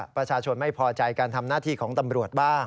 ประชาชนไม่พอใจการทำหน้าที่ของตำรวจบ้าง